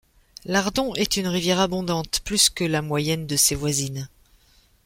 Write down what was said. L'Ardon est une rivière abondante, plus que la moyenne de ses voisines.